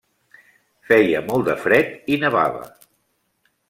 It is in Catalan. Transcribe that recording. Feia molt de fred i nevava.